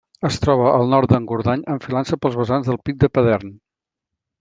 Es troba al nord d'Engordany, enfilant-se pels vessants del pic de Padern.